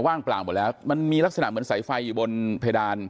ว่างเปล่าหมดแล้วมันมีลักษณะเหมือนสายไฟอยู่บนเพดาน